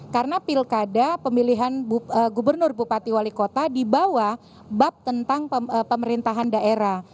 karena pilkada pemilihan gubernur bupati wali kota dibawa bab tentang pemerintahan daerah